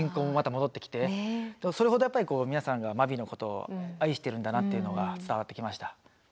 それほどやっぱり皆さんが真備のことを愛してるんだなっていうのが伝わってきました。